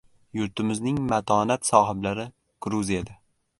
Yurtimizning matonat sohiblari Gruziyada